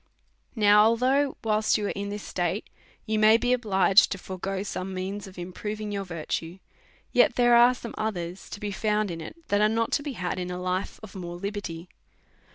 Now, although, whilst you are in this state, you may be obliged to forego some means of improving your virtue, yet there are some others to be found in it, that are riot to be had in a life of more liberty.